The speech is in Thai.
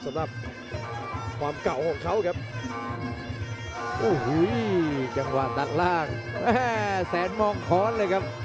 ครับความเก่าของเขาครับจังหวานดักล่างแสนมองคล้อนเลยครับ